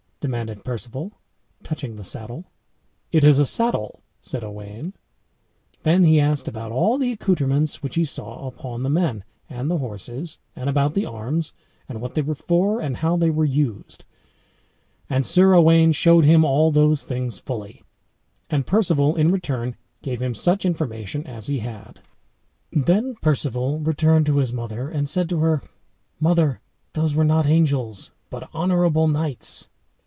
demanded Perceval, touching the saddle. "It is a saddle," said Owain. Then he asked about all the accoutrements which he saw upon the men and the horses, and about the arms, and what they were for, and how they were used. And Sir Owain showed him all those things fully. And Perceval in return gave him such information as he had Then Perceval returned to his mother, and said to her, "Mother, those were not angels, but honorable knights."